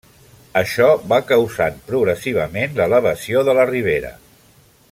Això va causant, progressivament, l'elevació de la ribera.